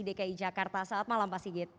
dki jakarta saat malam pak sigit